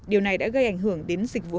điều này đã gây ảnh hưởng đến dịch vụ